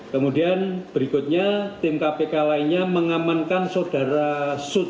kemudian berikutnya tim kpk lainnya mengamankan saudara sut